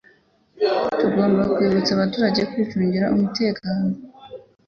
tugomba kwibutsa abaturage kwicungira umutekano,